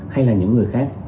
hay là những người khác